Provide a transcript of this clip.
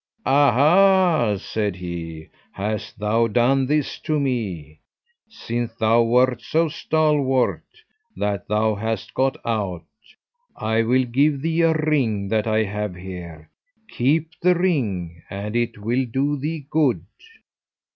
"'Aha!' said he, 'hast thou done this to me. Since thou wert so stalwart that thou hast got out, I will give thee a ring that I have here; keep the ring, and it will do thee good.'